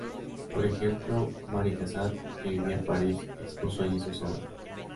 Por ejemplo, Mary Cassatt, que vivía en París, expuso allí sus obras.